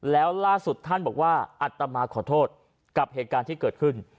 แล้วล่าสุดท่านบอกว่าอัตมาขอโทษกับเหตุการณ์ที่เกิดขึ้น